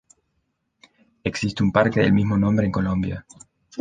Existe un parque del mismo nombre en Colombia.